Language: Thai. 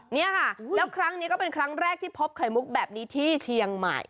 เนี่ยค่ะแล้วครั้งนี้ก็เป็นครั้งแรกที่พบไข่มุกแบบนี้ที่เชียงใหม่